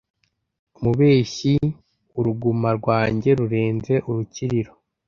umubeshyi Uruguma rwanjye rurenze urukiriro